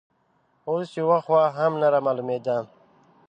اوس یوه خوا هم نه رامالومېده